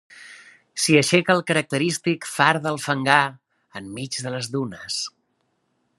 S'hi aixeca el característic far del Fangar en mig de les dunes.